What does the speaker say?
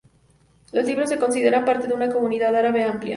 Los libios se consideran parte de una comunidad árabe amplia.